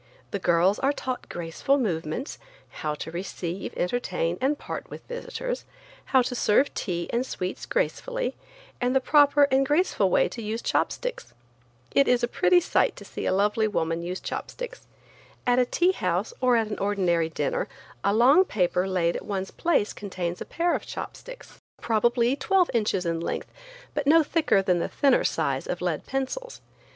The girls are taught graceful movements, how to receive, entertain and part with visitors, how to serve tea and sweets gracefully, and the proper and graceful way to use chopsticks. It is a pretty sight to see a lovely woman use chopsticks. At a tea house or at an ordinary dinner a long paper laid at one's place contains a pair of chopsticks, probably twelve inches in length, but no thicker than the thinner size of lead pencils.